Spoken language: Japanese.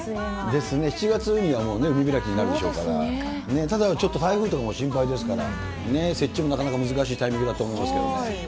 ですね、７月にはもう海開きになるでしょうから、ただ、ちょっと台風とかも心配ですからね、設置もなかなか難しいタイミングだと思いますけどね。